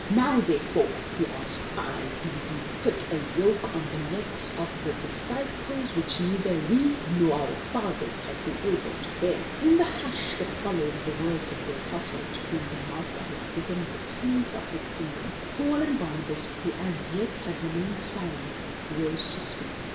" Now therefore," he asked, " why do ye put a yoke on the necks of the disciples which neither we nor our fathers have been able to bear?" In the hush that followed the words of the Apostle to whom the Master had given the LIFE OF ST. PAUL 54 Keys of His Kingdom, Paul and Barnabas, who as yet had remained silent, rose to speak.